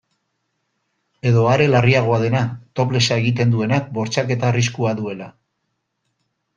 Edo are larriagoa dena, toplessa egiten duenak bortxaketa arriskua duela?